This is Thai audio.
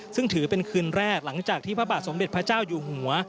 ซึ่งถือเป็นคืนแรกหลังจากที่พระบาทสมเด็จพระเจ้าอยู่หัว